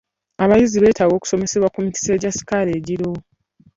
Abayizi beetaaga okusomesebwa ku mikisa gya sikaala egiriwo.